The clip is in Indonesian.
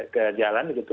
ke jalan gitu